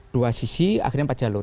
dua sisi akhirnya empat jalur